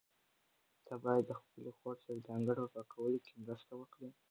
ته باید د خپلې خور سره د انګړ په پاکولو کې مرسته وکړې.